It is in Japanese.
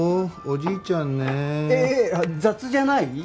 おじいちゃんねえー雑じゃない？